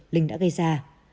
linh đã gây ra